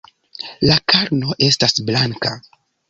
La karno estas blanka.